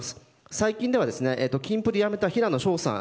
最近だとキンプリをやめた平野紫耀さん